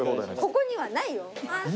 ここにはないよ。